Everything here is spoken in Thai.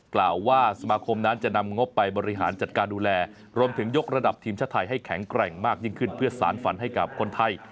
กล่าวว่าสมาคมนั้นจะนำงบไปบริหารจัดการดูแลรวมถึงยกระดับทีมชาติไทยให้แข็งแกร่งมากยิ่งขึ้นเพื่อสารฝันให้กับคนไทย